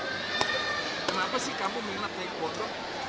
kenapa sih kamu minat teh kondo